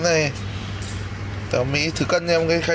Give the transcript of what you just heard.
đấy là siêu thị